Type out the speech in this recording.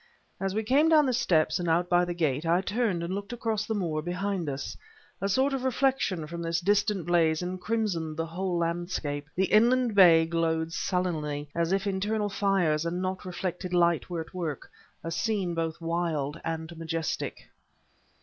As we came down the steps and out by the gate, I turned and looked across the moor behind us. A sort of reflection from this distant blaze encrimsoned the whole landscape. The inland bay glowed sullenly, as if internal fires and not reflected light were at work; a scene both wild and majestic.